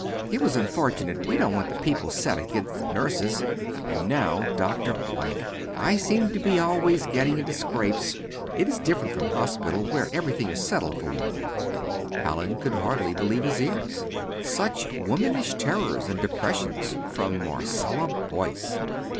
It was unfortunate we don't want the people set against the nurses. And now Dr. Blank! I seem to be always getting into scrapes. It is different from hospital, where everything is settled for one." Hallin could hardly believe his ears. Such womanish terrors and depressions from Marcella Boyce!